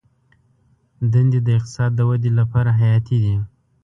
دندې د اقتصاد د ودې لپاره حیاتي دي.